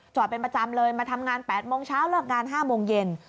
เป็นประจำเลยมาทำงาน๘โมงเช้าเลิกงาน๕โมงเย็น